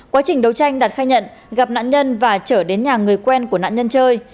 quá trình đấu tranh đạt khai nhận gặp nạn nhân và trở đến nhà người quen của nạn nhân chơi